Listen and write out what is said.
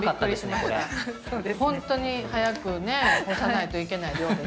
本当に早くねえ干さないといけない量でしたね。